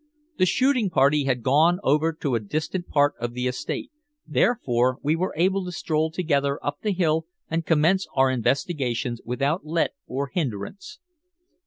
The shooting party had gone over to a distant part of the estate, therefore we were able to stroll together up the hill and commence our investigations without let or hindrance.